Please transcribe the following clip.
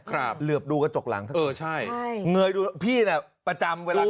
ครับเออใช่เลือบดูกระจกหลังสักหนึ่งพี่เนี่ยประจำเวลาขับเร็ว